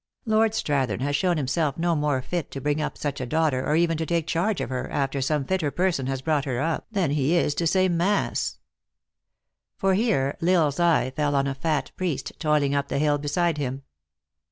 Lord Strath ern has shown himself no more n t to bring up such a daughter, or even to take charge of her, after some fitter person has brought her up, than he is to say mass." For here L Isle s eye fell on a fat priest, toiling up the hill beside him.